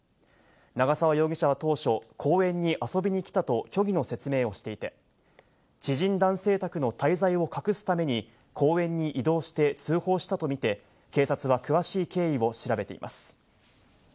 長沢容疑者は当初公園に遊びに来たと虚偽の説明をしていて、知人男性宅の滞在を隠すために公園に移動して通報したとみて警察は詳しい経緯を調べています。